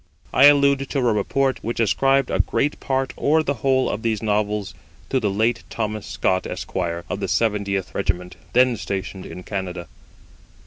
I allude to a report which ascribed a great part, or the whole, of these Novels to the late Thomas Scott, Esq., of the 70th Regiment, then stationed in Canada.